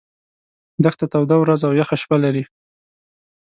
دښته توده ورځ او یخه شپه لري.